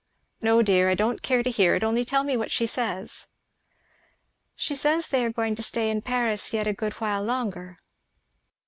"No dear, I don't care to hear it; only tell me what she says." "She says they are going to stay in Paris yet a good while longer."